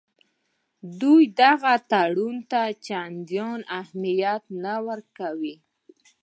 دوی دغه تړون ته چندان اهمیت نه ورکوي.